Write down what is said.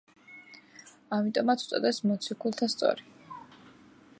ამიტომაც უწოდეს მოციქულთასწორი.